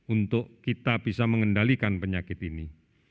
untuk kita bisa mengendalikan penyakit ini